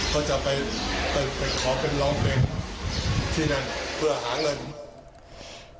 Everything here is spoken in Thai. เขาจะไปไปขอเป็นร้องเพลงที่นั่นเพื่อหาเงิน